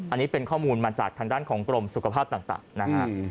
อันนี้เป็นข้อมูลมาจากทางด้านของกรมสุขภาพต่างนะฮะ